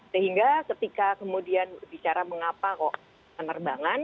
sehingga ketika kemudian bicara mengapa kok penerbangan